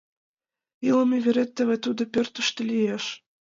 Илыме верет теве тудо пӧртыштӧ лиеш.